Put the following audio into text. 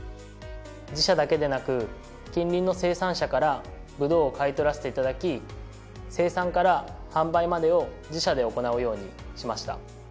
自社だけでなく近隣の生産者からブドウを買い取らせて頂き生産から販売までを自社で行うようにしました。